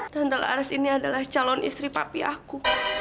tante laris ini adalah calon istri papi aku